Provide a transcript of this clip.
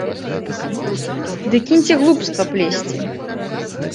Ды кіньце глупства плесці.